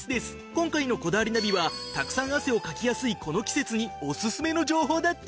今回の『こだわりナビ』はたくさん汗をかきやすいこの季節にオススメの情報だって！